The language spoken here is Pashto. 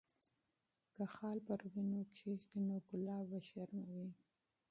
که خال پر وینو کښېږدي، نو ګلاب وشرموي.